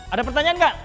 ada pertanyaan gak